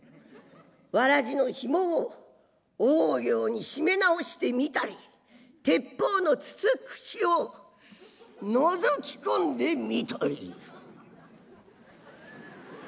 わらじのひもを大仰に締め直してみたり鉄砲の筒口をのぞき込んでみたり。